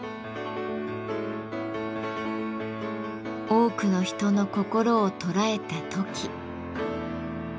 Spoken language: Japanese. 多くの人の心を捉えたトキ。